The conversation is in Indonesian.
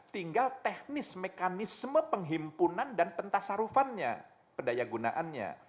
tinggal teknis mekanisme penghimpunan dan pentasarufannya pendayagunaannya